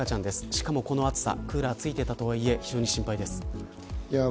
しかも、この暑さクーラーがついていたとはいえ非常に心配です。